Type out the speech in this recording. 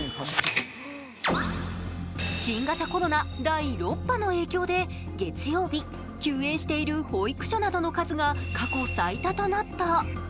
新型コロナ第６波の影響で月曜日、休園している保育所などの数が過去最多となった。